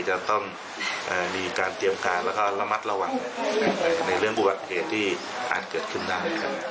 จะต้องเอ่อมีการเตรียมความรับมัสระวังในเรื่องบุปกรณ์เกิดขึ้นด้าน